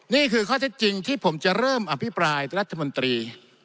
นี่คือข้อเท็จจริงที่ผมจะเริ่มอภิปรายรัฐมนตรี